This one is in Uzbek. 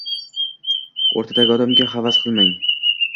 O’rtadagi odamga havas qilmang.